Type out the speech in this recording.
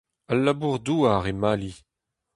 Al labour-douar e Mali.